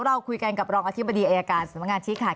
เราคุยกันกับรองอธิบดิ์ไอ้อาการสติภัณฑ์งานที่ขาด